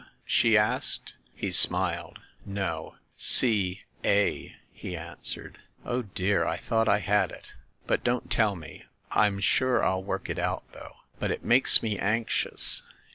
she asked. He smiled. "No, 'C a,' " he answered. "Oh, dear, I thought I had it ! But don't tell me ! I'm sure I'll work it out, though. But it makes me anxious.